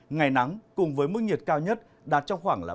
ngày nắng cùng với mức nhiệt cao nhất đạt trong khoảng ba mươi một ba mươi bốn độ